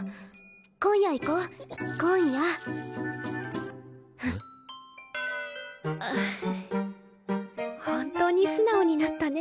今夜行こう今夜本当に素直になったね